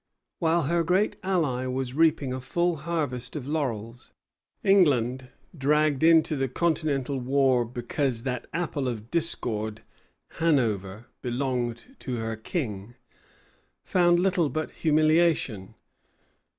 While her great ally was reaping a full harvest of laurels, England, dragged into the Continental war because that apple of discord, Hanover, belonged to her King, found little but humiliation.